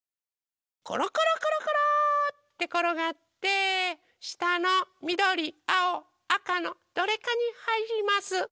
コロコロコロコローってころがってしたのみどりあおあかのどれかにはいります。